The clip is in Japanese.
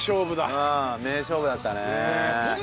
うん名勝負だったね。